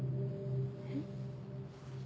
えっ？